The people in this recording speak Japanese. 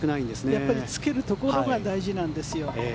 やっぱりつけるところが大事なんですよ。